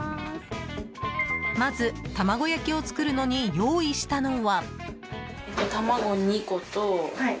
まず、卵焼きを作るのに用意したのは。